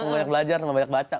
banyak belajar sama banyak baca